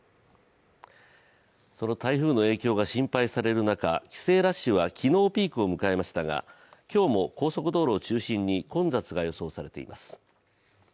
台風の影響が心配される中、帰省ラッシュは昨日、ピークを迎えましたが今日も高速道路を中心に混雑が予想されています。